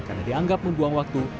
karena dianggap membuang waktu